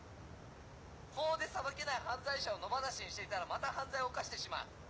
法で裁けない犯罪者を野放しにしていたらまた犯罪を犯してしまう。